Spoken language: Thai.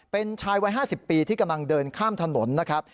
เป็นชายวัย๕๐ปีที่กำลังเดินข้ามถนนนะครับ